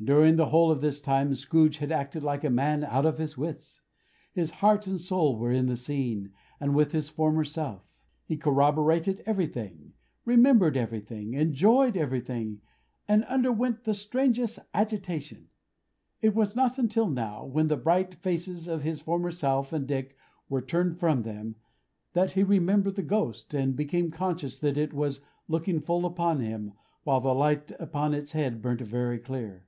During the whole of this time, Scrooge had acted like a man out of his wits. His heart and soul were in the scene, and with his former self. He corroborated everything, remembered everything, enjoyed everything, and underwent the strangest agitation. It was not until now, when the bright faces of his former self and Dick were turned from them, that he remembered the Ghost, and became conscious that it was looking full upon him, while the light upon its head burnt very clear.